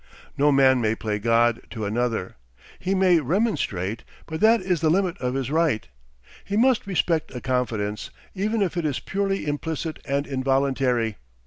No man may play God to another; he may remonstrate, but that is the limit of his right. He must respect a confidence, even if it is purely implicit and involuntary.